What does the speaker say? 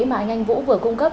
mà anh anh vũ vừa cung cấp